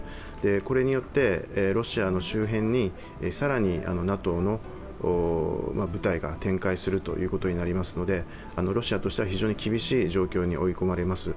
これによって、ロシアの周辺に更にＮＡＴＯの部隊が展開することになりますのでロシアとしては非常に厳しい状況に追い込まれます。